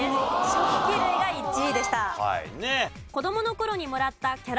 食器類が１位でした。